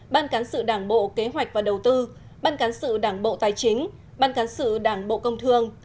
ban cán sự đảng bộ kế hoạch và đầu tư ban cán sự đảng bộ tài chính ban cán sự đảng bộ công thương